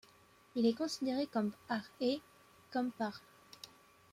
Il est considéré comme par ' et comme par '.